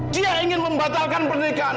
dia ingin membatalkan pernikahan